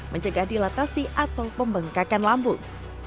mencegah dilatasi atau pembengkakan lambung